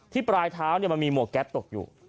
ปลายเท้ามันมีหมวกแก๊ปตกอยู่